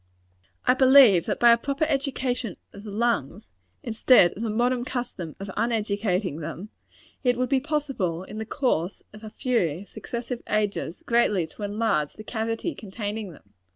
I believe that by a proper education of the lungs instead of the modern custom of _un_educating them it would be possible, in the course of a few successive ages, greatly to enlarge the cavity containing them.